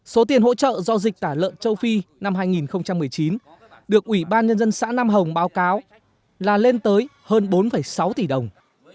số tiền hỗ trợ do dịch tả lợn châu phi năm hai nghìn một mươi chín được ủy ban nhân dân xã nam hồng báo cáo là lên tới hơn bốn sáu tỷ đồng